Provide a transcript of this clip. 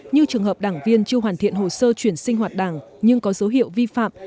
như trường hợp đảng viên chưa hoàn thiện hồ sơ chuyển sinh hoạt đảng nhưng có dấu hiệu vi phạm